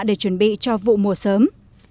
để chuẩn bị cho vụ mùa sớm